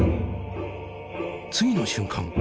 次の瞬間